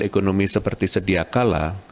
sosial ekonomi seperti sedia kalah